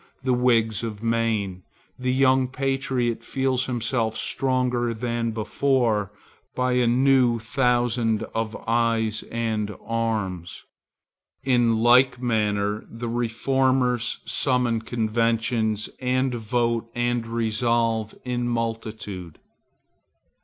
The Whigs of Maine! the young patriot feels himself stronger than before by a new thousand of eyes and arms. In like manner the reformers summon conventions and vote and resolve in multitude.